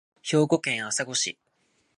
兵庫県朝来市